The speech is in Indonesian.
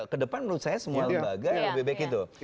kedepan menurut saya semua lembaga lebih baik gitu